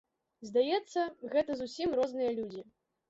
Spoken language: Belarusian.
Здаецца, гэта зусім розныя людзі.